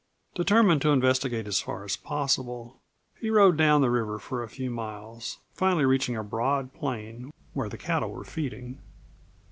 Determined to investigate as far as possible, he rode down the river for a few miles, finally reaching a broad plain where the cattle were feeding.